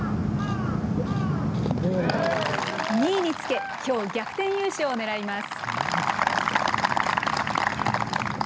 ２位につけ、きょう逆転優勝を狙います。